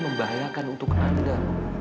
membahayakan untuk anda